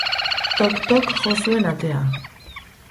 Tok-tok jo zuen atea.